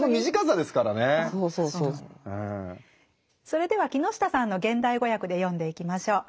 それでは木ノ下さんの現代語訳で読んでいきましょう。